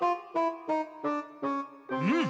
うん！